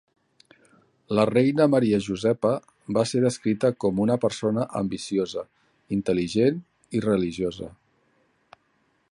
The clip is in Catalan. La reina Maria Josepa va ser descrita com una persona ambiciosa, intel·ligent i religiosa.